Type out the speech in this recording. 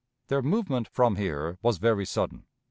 Their movement from here was very sudden.